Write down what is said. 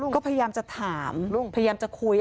ก็พยายามจะถามพยายามจะคุย